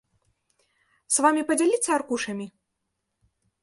С вамі падзяліцца аркушамі?